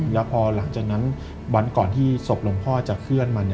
แล้วพอหลังจากนั้นวันก่อนที่ศพหลวงพ่อจะเคลื่อนมา